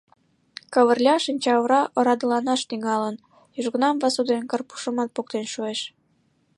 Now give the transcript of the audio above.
Кавырля шинчаора «орадыланаш» тӱҥалын: южгунам Васу ден Карпушымат поктен шуэш.